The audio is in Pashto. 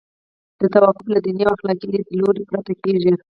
دا توافق له دیني او اخلاقي لیدلوري پرته کیږي.